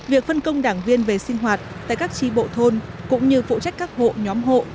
việc phân công đảng viên về sinh hoạt tại các tri bộ thôn cũng như phụ trách các hộ nhóm hộ